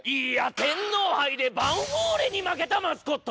天皇杯でヴァンフォーレに負けたマスコット！